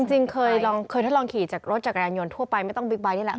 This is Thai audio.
จริงเคยทดลองขี่จากรถจักรยานยนต์ทั่วไปไม่ต้องบิ๊กไบท์นี่แหละ